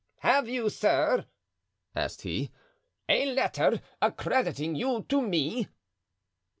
"Have you, sir," asked he, "a letter accrediting you to me?"